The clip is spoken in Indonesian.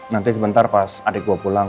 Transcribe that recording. nanti sebentar pas adik gue pulang